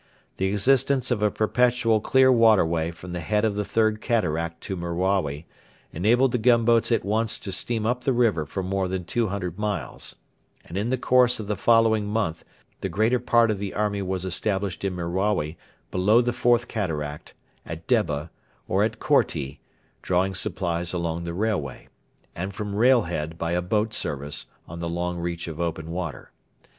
The existence of a perpetual clear waterway from the head of the Third Cataract to Merawi enabled the gunboats at once to steam up the river for more than 200 miles, and in the course of the following month the greater part of the army was established in Merawi below the Fourth Cataract, at Debba, or at Korti, drawing supplies along the railway, and from Railhead by a boat service on the long reach of open water.